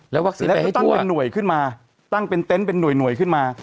แล้ววัคซีนหน่วยขึ้นมาตั้งเป็นเต็นต์เป็นหน่วยขึ้นมา